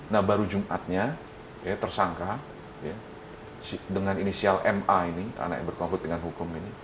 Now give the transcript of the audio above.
nah baru jumatnya ya tersangka dengan inisial ma ini anak yang berkonflik dengan hukum ini